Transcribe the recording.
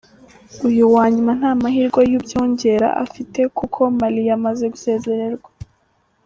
Uyu wa nyuma nta mahirwe yo ubyongera afite kuko Mali yamaze gusezererwa.